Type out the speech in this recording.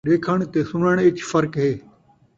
ݙیکھݨ تے سݨݨ ءِچ فرق ہے